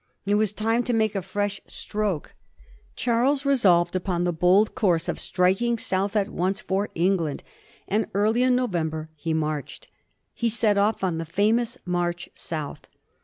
It was time to make a fresh stroke. Charles resolved upon the bold course of striking south at once for England, and early in November he marched. He set off on the famous march south.